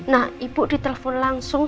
nah ibu ditelepon langsung